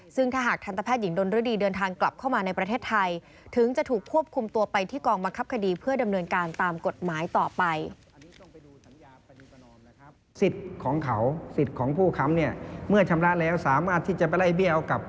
ซึ่งถ้าหากทันตแพทย์หญิงดนฤดีเดินทางกลับเข้ามาในประเทศไทยถึงจะถูกควบคุมตัวไปที่กองบังคับคดีเพื่อดำเนินการตามกฎหมายต่อไป